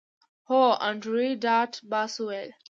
هو انډریو ډاټ باس وویل